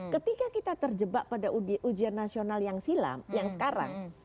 ketika kita terjebak pada ujian nasional yang silam yang sekarang